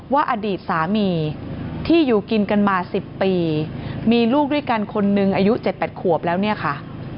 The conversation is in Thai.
อดีตสามีที่อยู่กินกันมา๑๐ปีมีลูกด้วยกันคนนึงอายุ๗๘ขวบแล้วเนี่ยค่ะ